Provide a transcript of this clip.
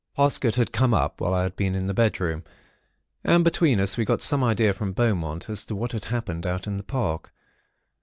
"Parsket had come up while I had been in the bedroom, and between us we got some idea from Beaumont as to what had happened out in the Park.